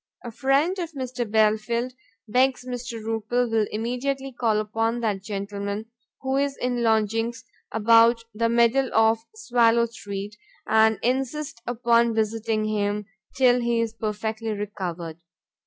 "A friend of Mr Belfield begs Mr Rupil will immediately call upon that gentleman, who is in lodgings about the middle of Swallow street, and insist upon visiting him till he is perfectly recovered.